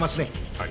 はい。